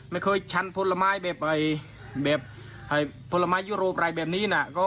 ฉันผลไม้แบบผลไม้ยุโรปอะไรแบบนี้นะ